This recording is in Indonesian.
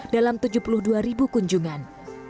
dalam tujuh puluh dua ribu kunjungan